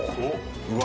うわ。